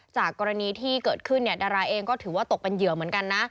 กรณีที่เกิดขึ้นเนี่ยดาราเองก็ถือว่าตกเป็นเหยื่อเหมือนกันนะ